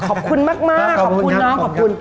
ขอบคุณมากขอบคุณเนาะขอบคุณ